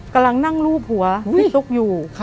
กำลังนั่งรูปหัวพี่ตุ๊กอยู่